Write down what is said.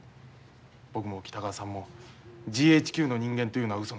僕も北川さんもＧＨＱの人間というのはうそなんです。